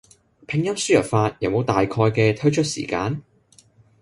拼音輸入法有冇大概嘅推出時間？